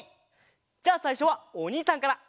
じゃあさいしょはおにいさんから！